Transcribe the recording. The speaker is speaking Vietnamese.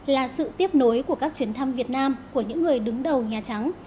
là sự tiếp nối của các chuyến thăm việt nam của những người đứng đầu nhà trắng